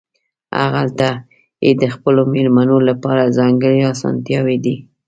هغلته یې د خپلو مېلمنو لپاره ځانګړې اسانتیاوې دي.